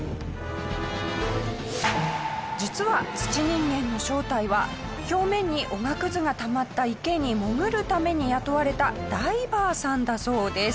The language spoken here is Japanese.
実は土人間の正体は表面におがくずがたまった池に潜るために雇われたダイバーさんだそうです。